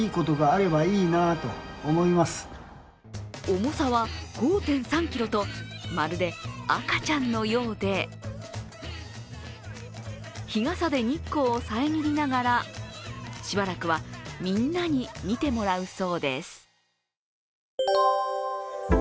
重さは５．３ｋｇとまるで赤ちゃんのようで日傘で日光を遮りながらしばらくはみんなに見てもらうそうです。